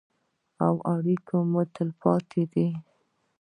او اړیکې مو تلپاتې دي.